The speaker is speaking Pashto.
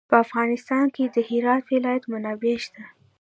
په افغانستان کې د هرات ولایت منابع شته.